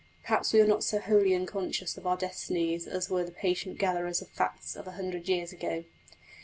Perhaps we are not so wholly unconscious of our destinies as were the patient gatherers of facts of a hundred years ago.